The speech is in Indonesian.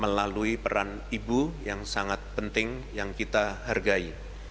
dan melalui peran ibu yang sangat penting yang kita hargai